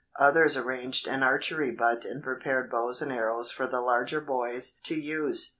Others arranged an archery butt and prepared bows and arrows for the larger boys to use.